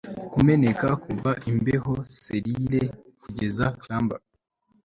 kumeneka kuva imbeho-selile, kugeza clamber